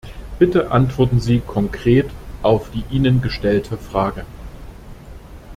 Bitte antworten Sie konkret auf die Ihnen gestellte Frage.